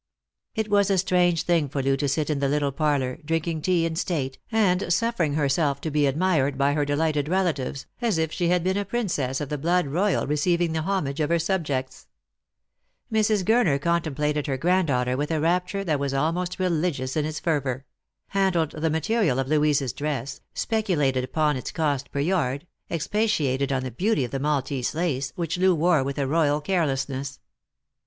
It was a strange thing for Loo to sit in the little parlour, drinking tea in state, and suffering herself to be admired by her delighted relatives, as if she had been a princess of the blood royal receiving the homage of her subjects. Mrs. Gur Lost for Love. 369 ner contemplated her granddaughter with a rapture that was almost religious in its fervour ; handled the material of Louisa's dress, speculated upon its cost per yard, expatiated on the beauty of the Maltese lace, which Loo wore with a royal care lessness.